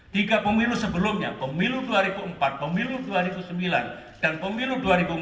tiga pemilu sebelumnya pemilu dua ribu empat pemilu dua ribu sembilan dan pemilu dua ribu empat belas